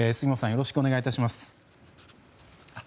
よろしくお願いします。